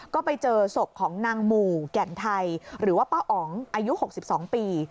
ก็ไปเจอศพของนางหมู่แก่นไทยหรือว่าป้าอ๋องอายุ๖๒ปี